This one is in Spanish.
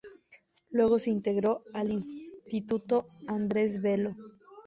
Luego se integró al Instituto Andres Bello.